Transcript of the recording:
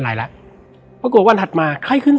และวันนี้แขกรับเชิญที่จะมาเชิญที่เรา